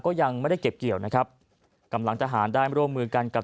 ก็ยังไม่ได้เก็บเกี่ยวนะครับกำลังทหารได้ร่วมมือกันกับ